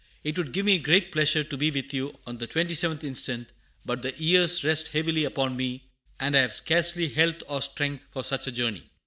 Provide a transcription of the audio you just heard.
It would give me great pleasure to be with you on the 27th inst., but the years rest heavily upon me, and I have scarcely health or strength for such a journey.